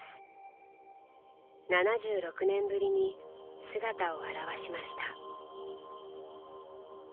７６年ぶりに姿を現しました。